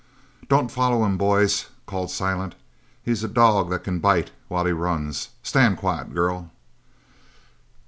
"Don't follow him, boys!" called Silent. "He's a dog that can bite while he runs. Stand quiet, girl!"